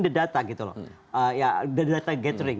the data gitu loh ya data gathering